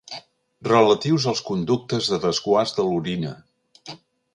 Relatius als conductes de desguàs de l'orina.